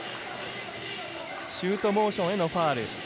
シュートモーションへのファウル。